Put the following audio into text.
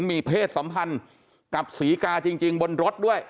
มีเพศสัมพันธ์กับศรีกาจริงบนรถด้วย